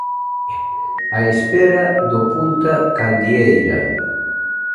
Á espera do Punta Candieira.